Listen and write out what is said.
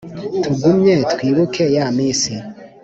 Tugumye twibuke ya minsi .